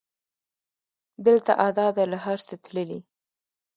دلته ادا ده له هر څه تللې